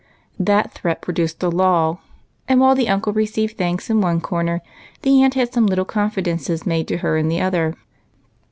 That threat produced a lull, and while the uncle re ceived thanks in one corner, the aunt had some little confidences made to her in the other.